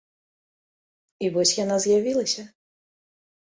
І вось яна з'явілася.